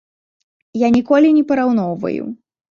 Я ніколі не параўноўваю.